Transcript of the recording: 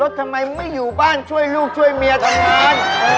ทำไมไม่อยู่บ้านช่วยลูกช่วยเมียทำงาน